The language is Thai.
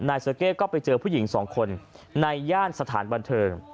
เซอร์เก้ก็ไปเจอผู้หญิงสองคนในย่านสถานบันเทิง